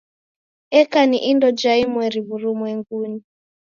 Eka ni indo ja imbiri w'urumwengunyi.